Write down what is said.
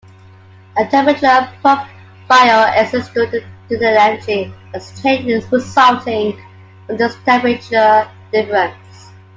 A temperature profile exists due to the energy exchange resulting from this temperature difference.